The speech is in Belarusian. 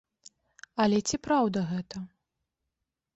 Але ці праўда гэта?